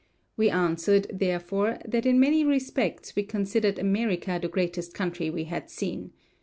We answered, therefore, that in many respects, we considered America the greatest country we had seen.